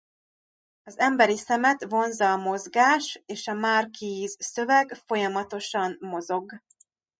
Az emberi szemet vonzza a mozgás és a marquee-s szöveg folyamatosan mozog.